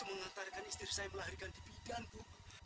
aku mau mengantarkan istri saya melahirkan di bidang bu